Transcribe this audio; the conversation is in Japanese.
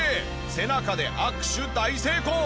背中で握手大成功！